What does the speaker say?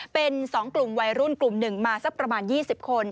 เป็น๒กลุ่มวัยรุ่นกลุ่มหนึ่งมาสักประมาณ๒๐คน